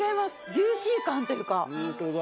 ジューシー感というか。